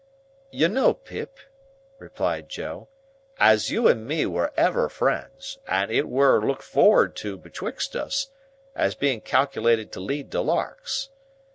"You know, Pip," replied Joe, "as you and me were ever friends, and it were looked for'ard to betwixt us, as being calc'lated to lead to larks.